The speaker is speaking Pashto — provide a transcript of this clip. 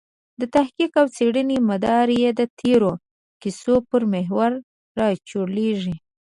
د تحقیق او څېړنې مدار یې د تېرو کیسو پر محور راچورلېږي.